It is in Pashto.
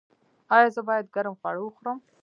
ایا زه باید ګرم خواړه وخورم؟